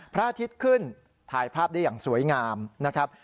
พระอาทิตย์ขึ้นถ่ายภาพได้อย่างสวยงามนะครับ